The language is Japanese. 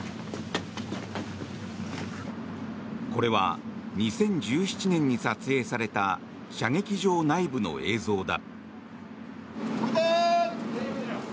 これは２０１７年に撮影された射撃場内部の映像だ。